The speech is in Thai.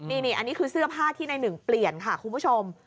นี่อันนี้คือเสื้อผ้าที่ในหนึ่งเปลี่ยนค่ะคุณผู้ชม